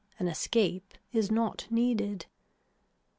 An escape is not needed.